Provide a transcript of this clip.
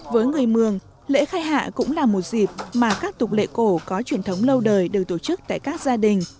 với người mường lễ khai hạ cũng là một dịp mà các tục lệ cổ có truyền thống lâu đời được tổ chức tại các gia đình